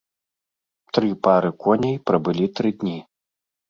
Тры пары коней прабылі тры дні.